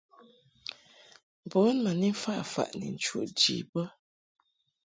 Bun ma ni mfaʼ faʼ ni nchuʼ ji bə.